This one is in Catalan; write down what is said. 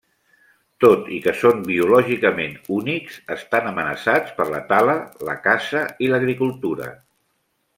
Tot i que són biològicament únics, estan amenaçats per la tala, la caça i l’agricultura.